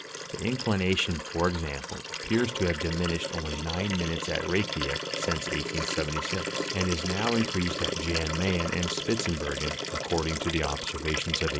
The inclination, for example, appears to have diminished only nine minutes at Reykiavick since 1876, and is now increased at Jan Mayen and Spitzbergen, according to the observations of 1892.